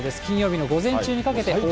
金曜日の午前中にかけて。